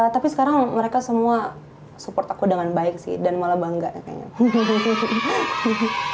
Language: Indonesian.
tapi sekarang mereka semua support aku dengan baik sih dan malah bangga ya kayaknya